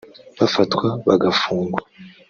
bafatwa bagafungwa